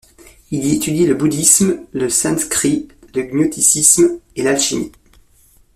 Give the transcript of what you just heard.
Elle y étudie le bouddhisme, le sanskrit, le gnosticisme et l'alchimie.